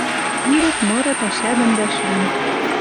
Ирӹк мыры пӓшӓ дон вӓшлин